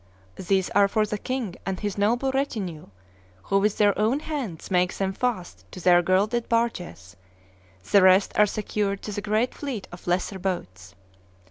These are for the king and his noble retinue, who with their own hands make them fast to their gilded barges; the rest are secured to the great fleet of lesser boats.